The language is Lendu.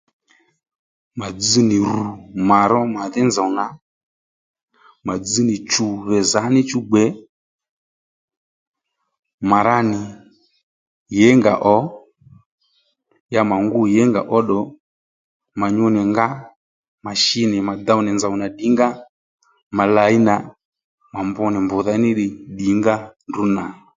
Mà dzz nì rù mà ró màdhí nzòw nà mà dzz nì chù gbè zǎ níchú gbè mà ra nì yěnga ò ya mà ngû yěngà óddù mà nyu nì nga mà shi nì mà dow nì nzòw nà ddǐngǎ mà làyi nà mà mbr nì mbùdha ní ddiy ddǐngǎ ndrǔ nà